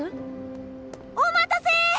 お待たせ！